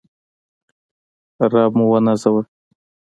رب موونازوه